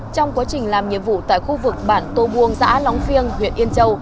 trong quá trình làm nhiệm vụ tại khu vực bản tô buông giã long phiêng huyện yên châu